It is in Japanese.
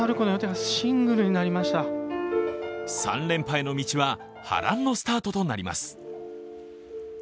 ３連覇への道は波乱のスタートとなります。